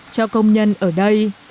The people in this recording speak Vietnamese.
của bà con nhân ở đây